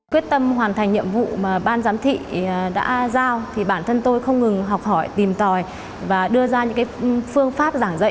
quyết tâm hoàn thành nhiệm vụ mà ban giám thị đã giao thì bản thân tôi không ngừng học hỏi tìm tòi và đưa ra những phương pháp giảng dạy